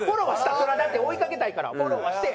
それはだって追いかけたいからフォローはして。